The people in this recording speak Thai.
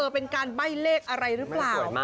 เป็นการใบ้เลขอะไรหรือเปล่า